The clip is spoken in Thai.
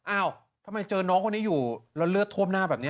อ้าวทำไมเจอน้องคนนี้อยู่แล้วเลือดท่วมหน้าแบบนี้